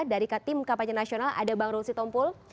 dari tim kapanya nasional ada bang rul sitiompul